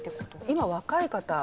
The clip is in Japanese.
今若い方。